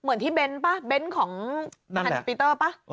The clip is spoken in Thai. เหมือนที่เบ้นป่ะเบ้นของฮันปีเตอร์ป่ะ